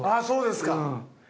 そうですか。